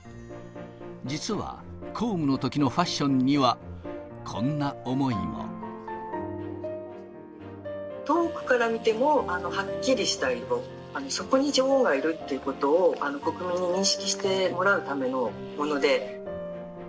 実は公務のときのファッションに遠くから見ても、はっきりした色、そこに女王がいるということを国民に認識してもらうためのもので。